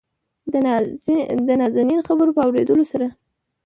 دنازنين خبرو په اورېدلو سره